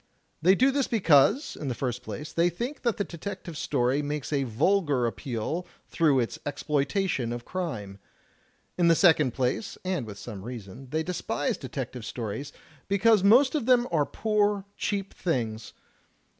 They do this because, in the first place, they think that the detective story makes a vulgar appeal through its exploitation of crime. In the second place, and with some reason, they despise detective stories because most of them are poor, cheap things.